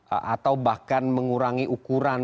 atau bahkan mengurangi ukuran